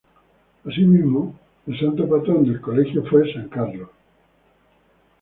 Asimismo, el Santo Patrón del Colegio fue San Carlos.